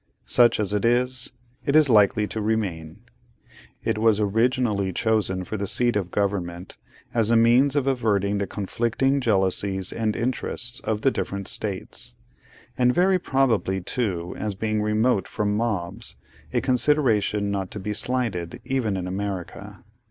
Such as it is, it is likely to remain. It was originally chosen for the seat of Government, as a means of averting the conflicting jealousies and interests of the different States; and very probably, too, as being remote from mobs: a consideration not to be slighted, even in America.